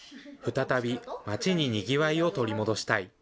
再び町ににぎわいを取り戻したい。